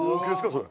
それ。